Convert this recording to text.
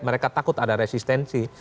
mereka takut ada resistensi